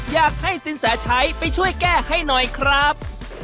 อยากให้สินแสชัยไปช่วยแก้ให้หน่อยครับ